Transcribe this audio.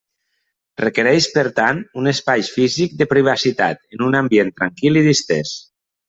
Requereix per tant, un espai físic de privacitat en un ambient tranquil i distès.